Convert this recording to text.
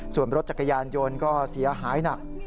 ส่วนรถจักรยานยนต์ก็เสียหายหนัก